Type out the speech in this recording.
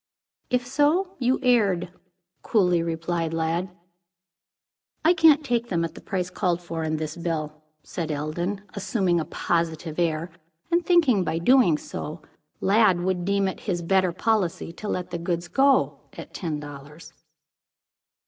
"If so, you erred," coolly replied Lladd. "I can't take them at the price called for in this bill," said Eldon, assuming a positive air, and thinking, by doing so, Lladd would deem it his better policy to let the goods go at ten dollars.